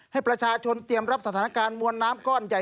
ให้ประชาชนเตรียมรับสถานการณ์มวลน้ำก้อนใหญ่